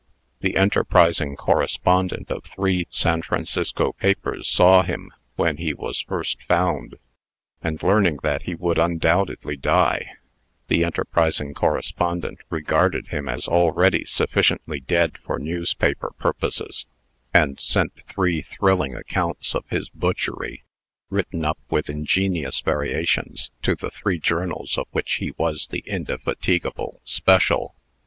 The enterprising correspondent of three San Francisco papers saw him when he was first found, and, learning that he would undoubtedly die, the enterprising correspondent regarded him as already sufficiently dead for newspaper purposes, and sent three thrilling accounts of his butchery, written up with ingenious variations, to the three journals of which he was the indefatigable "special."